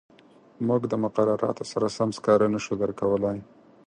موږ د مقرراتو سره سم سکاره نه شو درکولای.